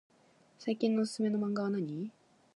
最近のおすすめマンガはなに？